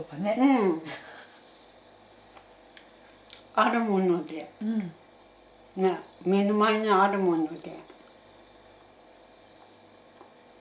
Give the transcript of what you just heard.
あるもので目の前にあるもので。